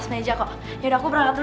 sampai jumpa lagi